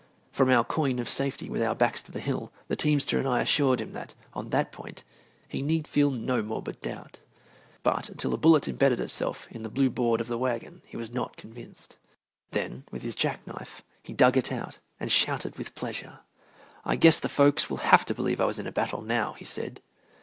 From our coign of safety, with our backs to the hill, the teamster and I assured him that, on that point, he need feel no morbid doubt. But until a bullet embedded itself in the blue board of the wagon he was not convinced. Then with his jack knife he dug it out and shouted with pleasure. "I guess the folks will have to believe I was in a battle now," he said.